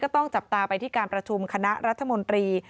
ต้องจับตาไปที่การประชุมคณะรัฐมนตรี